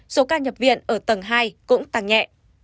số ca nhập viện ở tầng hai cũng tăng nhẹ